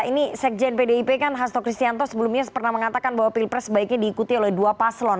ini sekjen pdip kan hasto kristianto sebelumnya pernah mengatakan bahwa pilpres sebaiknya diikuti oleh dua paslon